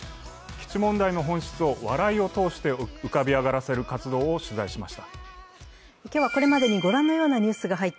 基地問題の本質を笑いを通して浮かび上がらせる活動を取材しました。